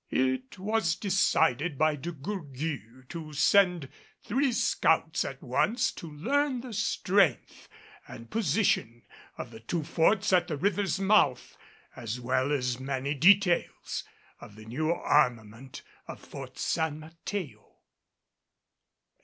It was decided by De Gourgues to send three scouts at once to learn the strength and position of the two forts at the river's mouth as well as many details of the new armament of Fort San Mateo.